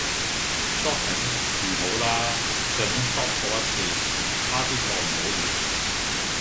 Shopping? 唔好啦，上年 shop 過一次，差啲過唔到年!